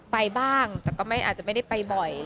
ไปบ้างแต่ก็อาจจะไม่ได้ไปบ่อย